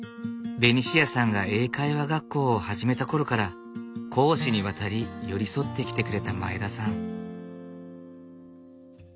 ベニシアさんが英会話学校を始めたころから公私にわたり寄り添ってきてくれた前田さん。